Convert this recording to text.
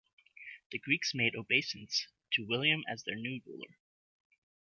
The Greeks made obeisance to William as their new ruler.